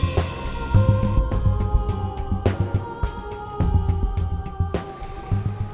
maaf saya harus pergi ada urusan penting